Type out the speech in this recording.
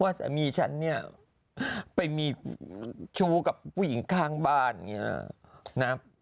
สามีฉันเนี่ยไปมีชู้กับผู้หญิงข้างบ้านอย่างนี้นะ